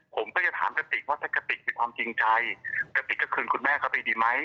ผมจะถามกะติกว่าจะกะติกมีความจริงใจกะติกจะคืนคุณแม่กะติดีมั้ย